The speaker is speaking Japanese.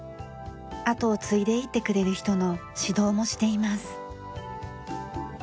後を継いでいってくれる人の指導もしています。